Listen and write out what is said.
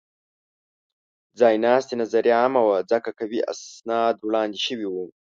ځایناستې نظریه عامه وه؛ ځکه قوي اسناد وړاندې شوي وو.